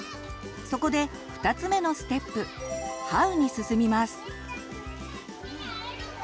そこで２つ目のステップ「ＨＯＷ」に進みます。